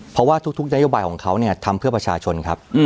เพราะว่าทุกนโยบายของเขาเนี่ยทำเพื่อประชาชนครับ